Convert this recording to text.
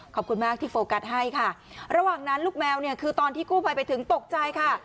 ขอบคุณมากที่โฟกัสให้ค่ะระหว่างนั้นลูกแมวเนี่ยคือตอนที่กู้ภัยไปถึงตกใจค่ะ